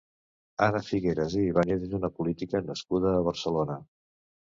Anna Figueras i Ibáñez és una política nascuda a Barcelona.